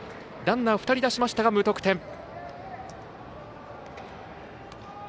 ランナー２人出しましたが無得点。